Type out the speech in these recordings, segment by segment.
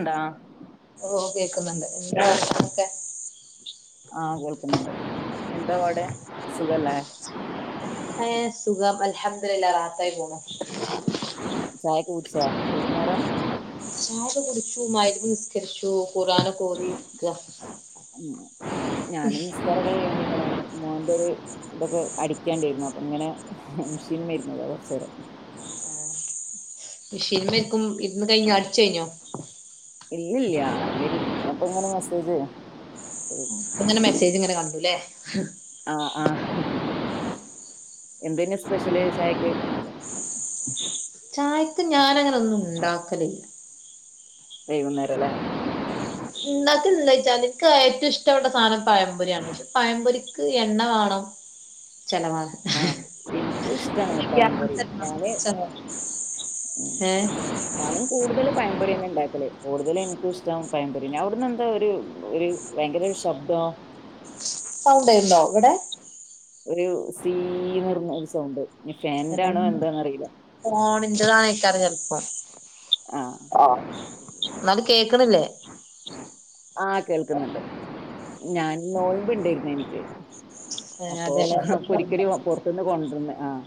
ണ്ടാ ഓ കേക്കുന്നുണ്ട് ആഹ ക്കെ ആഹ കേൾക്കുന്നുണ്ട് എന്താ അവിടെ സുഖല്ലേ ഹ സുഖം അൽഹംദുലില്ലാഹ് റാഹത്തായി പോണ് ചായക്ക കുടിച്ചാ വൈകുന്നേരം ചായ കുടിച്ചു മഹ്രിബ് നിസ്കരിച്ചു ഖുർആൻ ഓതി ഇരിക്ക ഉ ഞാനും നിസ്കാരൊക്കെ കഴിഞ്ഞ ഇങ്ങനെ മോന്റെ ഒരു ഇതൊക്കെ അടിക്കാണ്ടയിരിന്നു അപ്പൊ ഇങ്ങനെ മഷീന് മ്മേ രുന്നതാ കുറച്ച നേരെ മെഷീൻ ഇരുന്ന് കഴിഞ് അടിച്ച കഴിഞ്ഞോ ഇല്ല ഇല്ലയ വ അപ്പൊ ഇങ്ങനെ മെസ്സേജ് അങ്ങനെ മെസ്സേജ് ഇങ്ങനെ കണ്ടുല്ലേ ആ ആ എന്തന് സ്പെഷ്യൽ ചായക്ക് ചായക്ക് ഞാാന അങ്ങനെന്നും ഉണ്ടാക്കലില്ല വൈകുന്നേര ല്ലേ ചോച്ചാൽ ഇൻക്ക് ഏറ്റ ഇച്ചവവിടെ സധനം പഴം മ്പൊരിയാണ് പയംമ്പൊരിക്ക് എണ്ണ വേണം ചെലവാണ് ആ ഇൻക്കും ഇഷ്ട്ടാണ് പയംപൊരി, ഞാന് ഏ ഞാനും കൂടുതൽ പയംപൊരന്നെ ഇണ്ടാക്കല് കൂടുതൽ എൻക്ക് ഇഷ് ഷ്റ്റം പയംപൊരന്നെ, അവിടുന്ന് എന്താ ഒരു ഒരു ഭയങ്കരോരു ശബ്ദം? സൗണ്ട് ഇണ്ടോ? ഇവിടെ ഒരു സീന്ന് പറഞ്ഞൊരു സൗണ്ട്. ഇനി ഫാനിന്റെ ആണോ എന്താന്നറിയില്ല. [inaudible] ഫോണിന്റെതായ്. തെരഞ്ഞെടുപ്പ്. ആഹ് ആഹ. എന്നാലും കേക്കണില്ലേ? ആഹ കേൾക്കുന്നുണ്ട്, ഞാൻ നോൽമ്പ് ഇൻണ്ടായിരുന്ന് എനി ക്ക്. അപ്പൊ അതെല്ലേ ഹഅ പൊരികടി പൊ പൊറ്ത്ത്ന്ന് കൊണ്ട് വന്ന് ആഹ.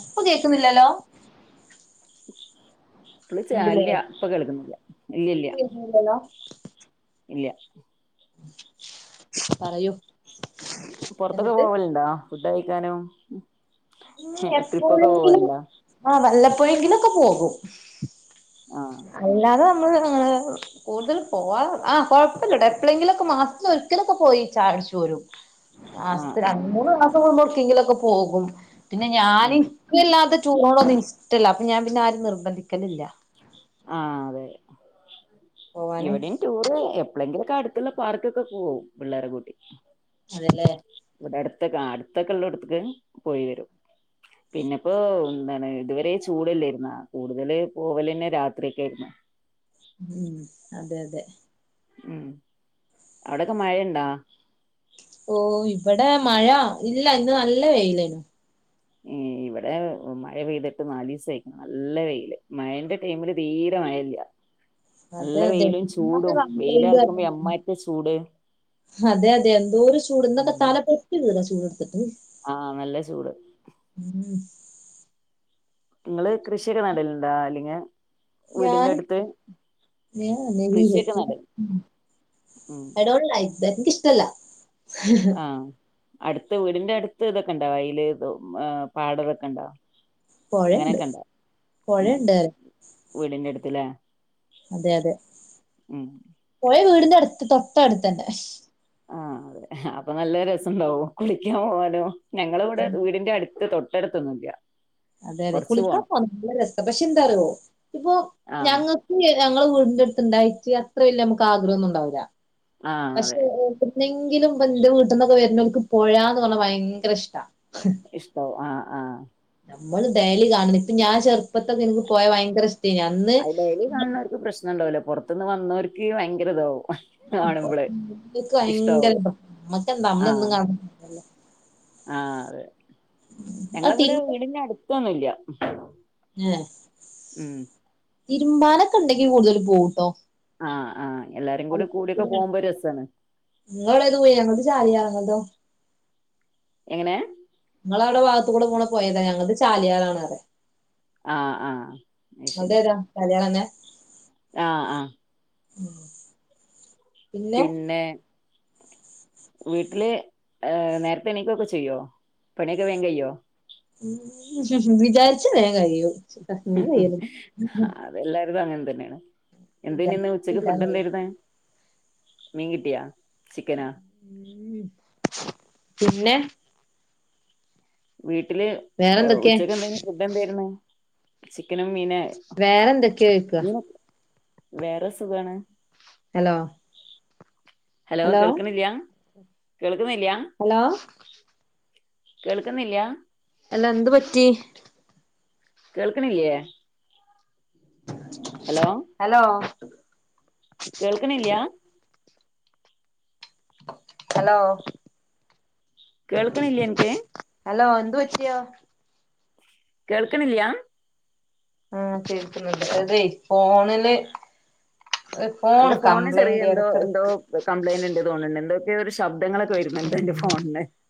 ഇപ്പ കേക്കുന്നില്ലല്ലോ? [inaudible] ഇപ്പള് ഉണ്ടില്ലേ ചാലില ഇപ്പ കേൾക്കുന്നില്ല ഇല്ല, ഇല്ല. കേക്കുന്നില്ലല്ലോ ഇല്ല പറയൂ പൊറ്ത്തൊക്കെ എന്നിട്ട് പോവല്ണ്ടാ ഫുഡൊക്കെ കഴിക്കാനും ഉം ട്രിപ്പൊക്കെ എപ്പോഴെങ്കിലും പോവലുണ്ടോ? ആ വല്ലപ്പ് പ്പോയെങ്കിലൊക്കെ പോകും ആഹ് അല്ലാതെ നമ്മള് കൂടുതൽ പോവാ ആഹ് കൊഴപ്പല്ലട്ടോ എപ്പളെങ്കിലൊക്കെ മാസത്തിലൊരിക്കലൊക്കെ പോയി ചായുട്ച്ച് പോരും ആഹ് മാസത്തില് രണ്ടു ആഹ് മൂന്ന് മാസം കൂടുമ്പോ ട്ടിങ്കിലൊക്കെ പോകും പിന്നെ ഞാന് ഉം ഇൻക്ക് വല്ലാതെ ചൂണൊന്നും ഇഷ്ടല്ല അപ്പൊ ഞാൻ പിന്നെ ആരിം നിർബന്ധിക്കലില്ല ആഹ് അതെ പോവാന് ഇവിടീം ടൂർ എപ്പ് എപ്പ്ളങ്കിലൊക്കെ അട്ത്ത്ള്ള പാർക്ക്ക്കൊ പോവും പിള്ളേരെ കൂട്ടി അതെല്ലേ ഇവിടെ അടുത്ത്ക്ക് ആഹ് അടുത്തൊക്കെള്ളോട്ത്ക്ക് പോയി വരും പിന്നെപ്പോ എന്താണ് ഇതുവരെ ചൂടല്ലായിര്ന്നാ കൂടുതല് പോവലെന്നെ രാത് രാത്രിക്കെയിരുന്നു ഉം അതെ അതെ ഉം അവിടൊക്കെ മഴയ്ണ്ടാ ഓ ഇവടെ മഴ ഇല്ല ഇന്ന് നല്ല വെയിലേനു ഏഹ് ഇവടെ മഴ പെയ്തിട്ട് നാലീസയ്ക്ക്ണ് നല്ല വെയില് മഴേന്റെ ടൈമില് തീരെ മഴയില്ല അതെ അതെ വെയിലറക്കുമ്പോ [unintelligible] എമ്മായിരത്തെ ചൂട് അതെ അതെ എന്തോര് ചൂട് ഇന്നൊക്കെ തല പൊട്ടി [unintelligible] ചൂട് ആ നല്ല ചൂട് ഉം ങ്ങള് കൃഷിയൊക്കെ നടലുണ്ടോ അല്ലെങ്കി ഞാൻ വീടിന്റെ അടുത്ത് [unintelligible] കൃഷിയൊക്കെ നടല് കരോളിലായി ദേനിക്കിഷ്ടല്ല ആ അടുത്ത വീടിന്റെ അടുത്ത് ഇതൊക്കെണ്ടോ വയില് പാടവൊക്കെ ഒണ്ടോ പൊഴെണ്ട് ഉം പൊഴെണ്ട് വീടിന്റെ അടുത്ത്ല്ലേ അതെ അതെ ഉം പോയ വീടിന്റെ [unintelligible] തൊട്ടട്ത്ത്ണ്ട് അശ് ആ അതെ അപ്പൊ നല്ല രസണ്ടാവും കുളിക്കാൻ പോവാലും ഞങ്ങളിവടെ വീടിന്റട്ത്ത് തൊ ട്ടട്ത്തൊന്നുല്ല്യാ അതെ ലെ കുളിക്കാ നല്ല രസ പക്ഷെ എന്താറ്യോ ഇപ്പൊ ആഹ് ഞങ്ങക്ക് [unintelligible] ഞങ്ങളെ വീടിന്റ ട്ത്ത്ണ്ടായിട്ട് അത്ര വെല്ല്യ മ്മക്ക് ആഗ്രഹൊന്നുണ്ടാവൂല്ല. ആഹ് പക്ഷെ അതെ എവിടെന്നെങ്കിലും ബന്ധു വീ ട്ട്ന്നൊക്കെ വെര്നോൽക്ക് പൊഴാന്ന് പറഞ്ഞാ ഭയങ്കര ഷ്ടാ ഇഷ്ടാവും ആ ആ നമ്മള് ഡെയ്ലി കാണ്ന്ന് ഇപ്പ ഞാൻ ചെർപ്പത്തൊക്കെ ഇൻക്ക് പോയാ ഭയങ്കര ഇഷ് ആ ഡെയ്ലി കാണുന്നവര്ക്ക് പ്രശ്നണ്ടാവൂല പൊർത്ത്ന്ന് വന്നോര് ക്ക് ഭയങ്കര ഇതാവും കാണുമ്പള് [unintelligible] ഭയങ്കര ഇഷ്ടാവും ഇതാ അമ്മക്കെന്താ അമ്മളെന്നും കാ [unintelligible] ആ അതെ ആ ഞങ്ങളെവടെ വീടിന്റെ അട്ത്തൊന്നുല്ല്യാ ഞ്ഞെ ഉം തിരുമ്പാനൊക്കെ [unintelligible] ണ്ടെങ്കിൽ കൂടുതല് പോവൂട്ടോ ആ ആ നിങ്ങളുടെ ദൂരെയാണോത് ചാലിയാർ അതോ എങ്ങനെ നിങ്ങളെ അവിടെ ഭാഗത്തു കൂടെ പോണ പൊയെതാ ഞങ്ങക്ക് ചാലിയാറാണ- ആഹ് ആഹ് അതെതാ കല്യാണംന്നെ ആ ആ [inaudible] പിന്നെ വീട്ടില് ഏഹ് നേരത്തെ എണിക്കൊക്കെ ചെയ്യോ പണിയൊക്കെ വേഗം കഴിയോ വിചാരിച്ചാൽ വേഗം കഴിയും അങ്ങനെ കഴിയല് അതെല്ലാരുകുടെ അങ്ങ തന്നെയാണ് എന്തേന് ഇന്ന് ഉച്ചക്ക് ഫുഡ് വിചാരിച്ചാലില്ലാന്നൊള്ളു. എന്തായിരുന്നു മീൻ കിട്ടിയോ ചിക്കനാ ഉം പിന്നെ വീ വീട്ടില് വേറെന്തൊക്കെ ഉച്ചക്ക് എന്തെ ഫുഡ് എന്തായിരുന്നു ചിക്കനും മീന് വേറെ എന്തൊക്കെയാ മീന [unintelligible] വേറെ സുഖാണ് ഹലോ ഹലോ കേൾക്കണില്യ കേൾ ഹലോ കേൾക്കുന്നില്ല അല്ല എന്ത് പറ്റി കേൾക്കണില്ലേ ഹലോ കേൾക്കണില്യ ഹലോ കേൾക്കണില്ലേ എനിക്ക് ഹലോ എന്ത് വച്ചിയോ കേൾക്കണില്യാ ആ തീർക്കുന്നുണ്ട് അതെ ഫോണിലെ എന്റെ ഫോണ് ചെറിയ എന്തോ എന്തോ കംപ്ലയിന്റ് ഉണ്ട് തോണിണ്ട് എന്തോ [unintelligible]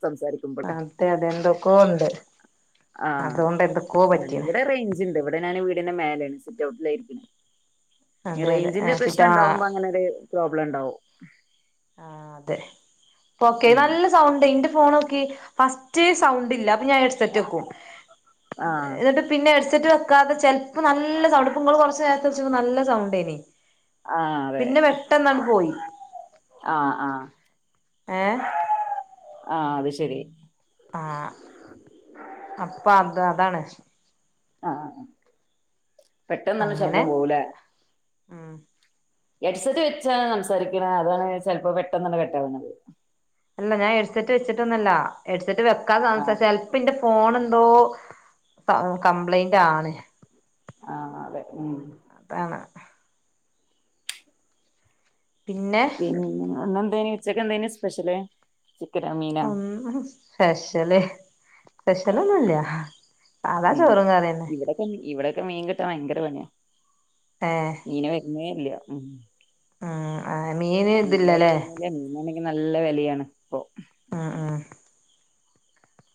സംസാരിക്കുമ്പോൾ മ് അതെ അതെ എന്തൊക്ക ഉണ്ട് ആഹ് അതുകൊണ്ട് എന്തൊക്കോ ആ പറ്റീണ് ഇവിടെ റേഞ്ച് ഇണ്ട് ഇവിടെ ഞാന് വീടിന്റെ മേലാണ് സിറ്റ് ഔട്ടിലാ ഇരിക്കണെ അതെ അതെ റേഞ്ചിന്റെ പ്രശ്നം ചിറ്റാ ഉണ്ടാവുമ്പോ അങ്ങനെ ഒരു പ്രോബ്ലം ഉണ്ടാവും ആഹ് അതെ ഓക്കെ ഉം നല്ല സൗണ്ട് [unintelligible] ഫോണൊക്കെ ഫസ്റ്റ് സൗണ്ടില്ല ഞാൻ ഹെഡ്സെറ്റെക്കും ആഹ് എന്നിട്ട് പിന്നെ സറ്റ് വെക്കാതെ ചെിലപ്പോം നല്ല സൗണ്ട് ഇപ്പങ്ങള് കുറച്ച് നേരത്തെ വചത് നല്ല സൗണ്ടേനി ആഹ് അതെ പിന്നെ പെട്ടന്നങട് പോയി ആഹ് ആഹ് ഏഹ് ആഹ് അത് ശരി ആഹ് അപ്പൊ അത് അതാണ് ആഹ് പെട്ടെന്നന്നെ ശബ്ദം പോവൂലേ ആഹ് ഹെഡ്സെറ്റ് വെച്ചാണ് സംസാരിക്കണെ അതാണ് ചിലപ്പോ പെട്ടെന്ന് തന്നെ കട്ടാവുന്നത് അല്ല ഞാൻ ഹെഡ്സെറ്റ് വെച്ചട്ടൊന്നല്ല ഹെഡ്സെറ്റ് വകാതെ സംസാരിച ആഹ് ചെൽപെന്റെ ഫോണ് എന്തോ കംപ്ലയിന്റ് ആണ് ആഹ് അതെ ഉം അതാണ് പിന്നെ ഒന്നു ഉച്ചെക്ക് എന്തായിനു സ്പെഷ്യല് ചിക്കനോ മീനോ ഉം സ്പെഷ്യല് സ്പെഷ്യലൊന്നുല്ല സാധാ ഉം ചോറും കറിയന്നെ ഇവിടൊക്കെ ഇവിടൊക്കെ മീൻ കിട്ടാൻ ഭയങ്കര പണിയാ ഏഹ് മീന് വരുന്നേ ഇല്ല ഉം ആഹ് ആ മീന് മീൻകാര് ഇതില്ലല്ലേ വരുന്നില്ല മീനാണെങ്കി നല്ല വിലയാണ് ഇപ്പൊ ആഹ് ആഹ്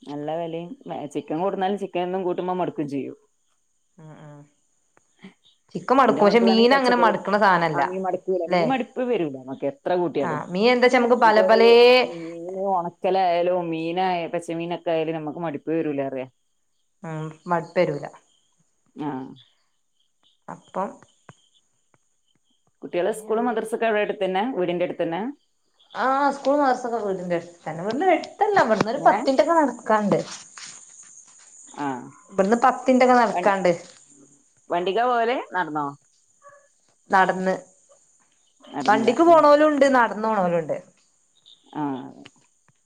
നല്ല വിലയും ചിക്കൻ കൂടുന്നാലും ചിക്കൻ എന്നും കൂട്ടുമ്പോ മടക്കും ചെയ്യും ആഹ് ആഹ് എന്റെ മക്കളാണെങ്കിൽ അങ്ങനെ പച്ചക്കറി മടുക്കണ ആ സാധനല്ല മീൻ മടുകൂല ല്ലെ മീൻ മടുപ്പേ വരുല മക്ക് എത്ര കൂട്ടിയാലും ആഹ് മീൻ എന്താച്ചാ നമുക്ക് പല ഇനിപ്പോ ഒരു പലേ മീന് ഉണക്കലായാലും മീൻ പച്ചമീനൊക്കൊയാല് നമുക്ക് മടിപ്പേ വരൂല പറയാ ഉം മട്പ്പരൂല ആഹ് അപ്പം കുട്ടികളെ സ്കൂള് അങ്ങനെയാണ് മദർസൊക്കെ എവിടെ അടുത്ത് തന്നെ വീടിന്റെ അടുത്തന്നെ ആഹ് സ്കൂൾ മദർസൊക്കെ വീടിന്റെ അടുത്ത് തന്നെ ഇവിടുന്നൊരെട്ട് ഇതല്ല ഇവിടന്നോരു ഇങ്ങനെ പത്തിറ്റൊക്കെ നടക്കാണ്ട് ആഹ് ഇവിടുന്ന് പത്തിറ്റൊക്കെ നടക്കാണ്ട് വണ്ടിക്കാ പോവല് നടന്നോ നടന്ന് നടന്നില്ലേ വണ്ടിക്ക് ഉം പോണ പോലും ഉണ്ട് നാട ന്നോണ പോലുണ്ട് ആഹ്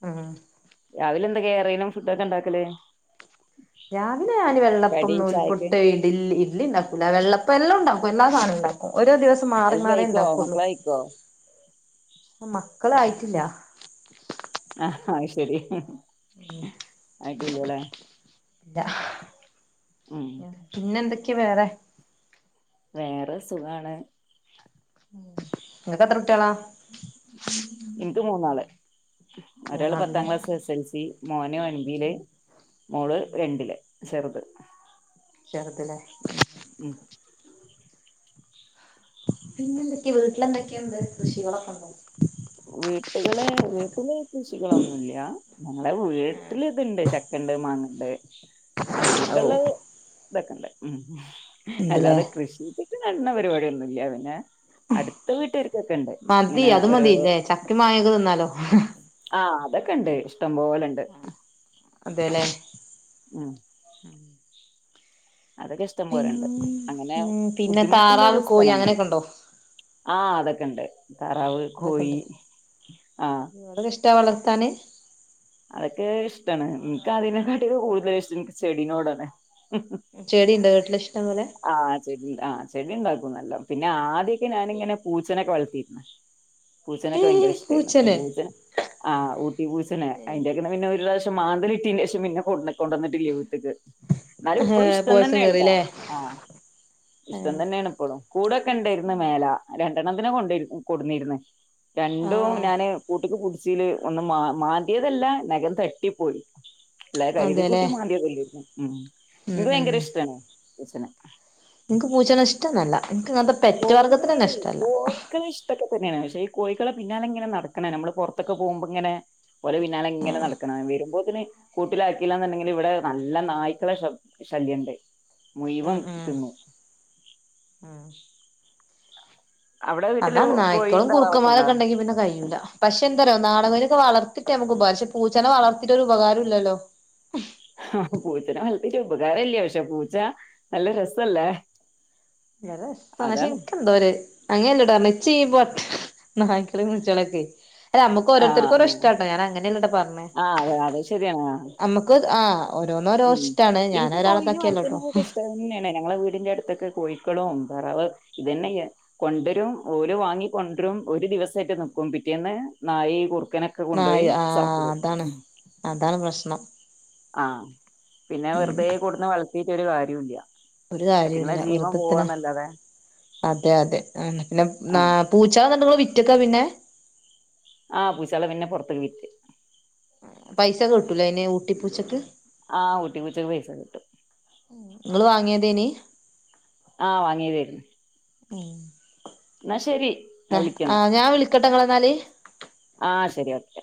ഉം രാവിലെ എന്താ കേറനും ഫുഡ് ഒക്കെ ഉണ്ടാക്കല് രാവിലെ ഞാന് വെള്ളപ്പം കടി ചായക്ക് നൂൽപുട്ട് ഇടിലി ഇഡലി ഉണ്ടാക്കുലാ വെള്ളപ്പ എല്ലാം ഉണ്ടക്കും എല്ലാ സാനോം ഉണ്ടാക്കും ഓരോ ദിവസം മാറി എല്ലാം മാറി കഴിക്കോ ഉണ്ടാക്കുള്ളൂ മക്കള് കഴിക്കോ ഉം മക്കൾ ആയിട്ടില്ല ആഹ് അയ്ശേരി ആയിട്ടില്ലല്ലേ ല്ല ഉം പിന്നെ എന്തോ ക്ക് വേറെ വേറെ സുഖാണ് ഉം നിങ്ങകെത്ര ൻക്ക്‌ മൂന്നാള് ഒരാള് പത്താം മൂന്നാളില്ലേ ക്ലാസ് എസ് എൽ സി മോന് ഞ്ചില് മോള് രണ്ടില് ചെറുത് ചെറുതില്ലേ ഉം പിന്നെന്തൊക്കെയ വീട്ടില് എന്തൊക്കെയുണ്ട് കൃഷികളൊക്കെ ഉണ്ടോ വീട്ടുകള് വീട്ടില് കൃഷികളൊന്നുല്ല ഞങ്ങളെ വീട്ടിൽ ഇതുണ്ട് ചക്കണ്ട് മാങ്ങണ്ട് ഓഹ് അങ്ങനെയൊക്കെള്ള ഇതൊക്കെ ഉണ്ട് ഉം ഉണ്ട്ല്ലേ അല്ലാതെ കൃഷിച്ചിട്ട് നടന്ന പരിപാടിയൊന്നുല്ല പിന്നെ അടുത്ത വീട്ടുകർക്കൊക്കെ ഉണ്ട് ഇങ്ങനെ ഒരോ ചക്കെ മങ്ങേക്കെ തിന്നാലോ ഇഷ്ട്ടം പോലെണ്ട് അതെല്ലേ ഉം അതൊക്കെ പി ഇഷ്ടംപോലുണ്ട് അങ്ങനെ ഉം പിന്നെ ബുദ്ധിമുട്ടുള്ള താറാവ് ഒരു കോഴി സ്ഥലന്നൊല്ല അങ്ങനെയൊക്കെ ഉണ്ടോ ആഹ് അതൊക്കെ ഉണ്ട് താറാവ് അതൊക്കെ കോഴി ഉണ്ടല്ലേ ആഹ് താനെ അതൊക്കെ ഇഷ്ടമാണ് നിക്ക് അതിനെക്കാട്ടി കൂടുതലിഷ്ടം നിക്ക് ചെടീനോടാണ് ചെടിയുണ്ടോ വീട്ടില് ഇഷ്ടം പോലെ ആഹ് ചെടി ആ ചെടി ഉണ്ടാക്കും പോന്നല്ലോ പിന്നെ ആദ്യക്കെ ഞാനിങ്ങനെ പൂച്ചനൊക്കെ വളർത്തി ഏ പൂച്ചേനൊക്കെ ഭയങ്കര ഇഷ്ടായിരുന്നു അപ്പൊ പൂച്ചനെ പൂച്ച ആ ഊട്ടി പൂച്ചേനേ അയിന്റൊക്കെ പിന്നൊരു പ്രാശ് മാന്തലിട്ടീന് ശേഷം പിന്നെ കൊണ്ട് കൊണ്ടുവന്നിട്ടില്ല വീട്ടി ഇത് എന്നാലും ഏഹ് ഇപ്പളും ഇഷ്ട്ടം പോയസം തന്നെ ആണുട്ട കേറില്ലേ ഏ ഇഷ്ട്ടം തന്നെയാണ് ഇപ്പളും കൂടൊക്കെണ്ടാര്ന്നു മേല ര പിന്നെന്തിനാ കൊണ്ടര് കൊട്ന്നരുന്നേ രണ്ടും ആഹ് ഞാന് കൂട്ടിക്ക് കൂ ച്ചില് ഒന്ന് മാ മാൻ ഏതല്ല നഖം തട്ടിപ്പോയി കരുതി അതെല്ലേ കൂട്ടി മാന്തിയതല്ലാരുന്നു ഉം ഉം നിക്ക് ഉം ഭയങ്കര ഇഷ്ടാണ് ഇച്ചന എനിക്ക് പൂച്ചേന ഇഷ്ടംന്നല്ല എനിക്ക്ങ്ങനത്ത കോഴികള് കോഴിക്കള് ഇഷ്ടക്കെ തന്നെയാണ് പക്ഷെ ഈ കോഴികളെ പിന്നാലെ ഇങ്ങനെ നടക്കണ നമ്മള് പുറത്തൊക്കെ പോകുമ്പോ ഇങ്ങനെ പോലെ പിന്നാലെ ഇങ്ങനെ ഉം നടക്കണ വരുമ്പോതിന് കൂട്ടിലാക്കല്ലാന്നുണ്ടെങ്കിൽ ഇവിടെ നല്ല നായ്ക്കള ശല്യണ്ട് മുഴുവം ഉം ഉം തിന്നും ഉം വീട്ടില് അതാണ് കോഴിയും നായ്ക്കോളും താറാവൊക്കെ ഉണ്ടോ കുറുക്കമാരൊക്കെ ണ്ടെങ്കി പിന്നെ കയൂല്ല പക്ഷെ എന്താറയാ നാടകം വളർത്തിട്ട് നമുക്ക് ഉപകാര പക്ഷേ പൂച്ചനെ വളർത്തിട്ട് ഉപകാരം ഇല്ലല്ലോ ആഹ പൂച്ചനെ വളർത്തിട്ട് ഉപകാരല്ലേ പക്ഷെ പൂച്ച നല്ല രസല്ലേ വ രസ പക്ഷെ അതാണ് എനിക്കെന്തോ ര് അങ്ങനെല്ലടാ ന്ന് ചീ പോത്ത് നായ്ക്കളെ പൂച്ചള് കെ അ നമുക് ആ ഓരോരുത്തർക്കുംഓരോ ഇഷ്ടട്ട ഞാൻ അങ്ങനെയല്ലെട്ടോ പറഞ്ഞത് ആ അതെ അതെ ശെരിയാണ് ആഹ് ഓരോന്നോരോ ഉം ഇഷ്ടാണ് ഞാൻ എനിക്ക് കോഴെ ഒരാളെതാക്കിയല്ലട്ടോ വളർത്തനൊക്കെ ഇഷ്ടം തന്നെയാണ് ഞങ്ങളെ വീടിന്റെ അടുത്തൊക്കെ കോഴി [unintelligible] ഇതന്നെയ്യ കൊണ്ടരും ഓലോ വാങ്ങി കൊണ്ടരും ഒരു ദിവസമായിട്ട് നക്കും പിറ്റേന്ന് നായി കു ആ ആഹ് അതാണ് അതാണ് പ്രശ്നം [inaudible] ആഹ് പിന്നെ ഉം വെറുതെ കൂടുന്ന് വളത്തി ഒരു കാര്യ ഇല്ല ഒരു കാര്യല്ല വെറുതത്തിന് അതെ അതെ ആ പിന്നെ ആഹ് പൂച്ചന്നണ്ടെങ്ക വി റ്റക്കാ പിന്നെ ആഹ് പൂശള പിന്നെ പൊറത്തേക്ക് വിറ്റ് പൈസ കിട്ടൂലെ അയ്ന് ഊട്ടിപ്പൂച്ചക്ക് ആഹ് ഊട്ടി പൂച്ചക്ക് പൈസ കിട്ടും ങ്ങള് വാങ്ങിയതേനി ആഹ് വാങ്ങിയതായിരുന്നു ഏ എന്നാ ശെരി ഞാ വിളിക്കന്ന ഞാൻ വിളിക്കട്ടെ ഇങ്ങളെ എന്നാല് ആ ശെരി ഓക്കെ